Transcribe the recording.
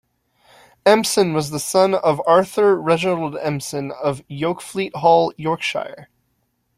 Empson was the son of Arthur Reginald Empson of Yokefleet Hall, Yorkshire.